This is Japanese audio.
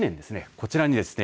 こちらにですね